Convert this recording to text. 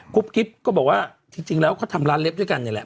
กิ๊บก็บอกว่าจริงแล้วเขาทำร้านเล็บด้วยกันนี่แหละ